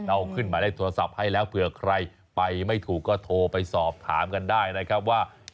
เราขึ้นหมายเลขโทรศัพท์ให้แล้วเผื่อใครไปไม่ถูกก็โทรไปสอบถามกันได้นะครับว่า